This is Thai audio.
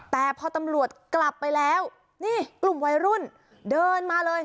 แต่พอตำรวจกลับไปแล้วนี่กลุ่มวัยรุ่นเดินมาเลย